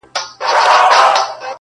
راغی پر نړۍ توپان ګوره چي لا څه کیږي،